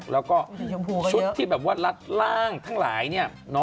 แล้วก็ชุดที่แบบว่ารัดร่างทั้งหลายเนี่ย